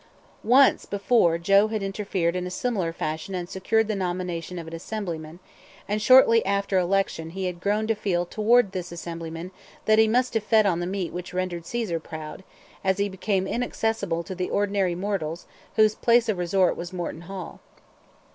Once before Joe had interfered in similar fashion and secured the nomination of an Assemblyman; and shortly after election he had grown to feel toward this Assemblyman that he must have fed on the meat which rendered Caesar proud, as he became inaccessible to the ordinary mortals whose place of resort was Morton Hall.